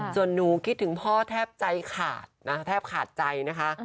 ส่วนหนูคิดถึงพ่อแทบใจขาดนะแทบขาดใจนะคะ